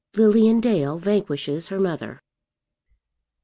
LILIAN DALE VANQUISHES HER MOTHER.